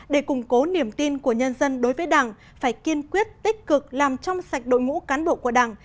để củng cố niềm tin của nhân dân đối với đảng phải kiên quyết tích cực làm trong sạch đội ngũ cán bộ của đảng